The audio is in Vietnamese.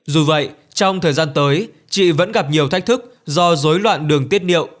dù vậy trong thời gian tới chị vẫn gặp nhiều thách thức do dối loạn đường tiết niệu